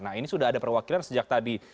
nah ini sudah ada perwakilan sejak tadi